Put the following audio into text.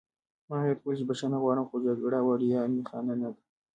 ما هغې ته وویل چې بښنه غواړم خو جګړه وړیا می خانه نه ده